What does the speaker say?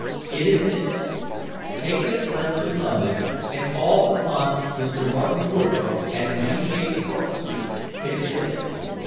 It is this: Take this letter to London, and call upon Mr. Martin Woodroffe at 98 Cork Street, Piccadilly.